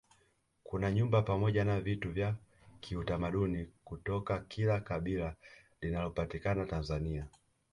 kuna nyumba pamoja na vitu vya kiutamaduni kutoka kila kabila linalopatikana tanzania